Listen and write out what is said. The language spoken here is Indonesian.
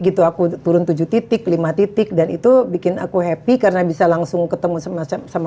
gitu aku turun tujuh titik lima titik dan itu bikin aku happy karena bisa langsung ketemu sama